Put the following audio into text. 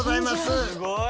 すごい！